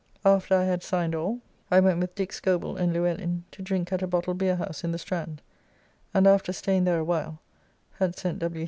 After I had signed all, I went with Dick Scobell and Luellin to drink at a bottle beer house in the Strand, and after staying there a while (had sent W.